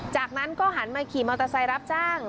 จากนั้นก็หันมาขี่มอเตอร์ไซค์รับจ้าง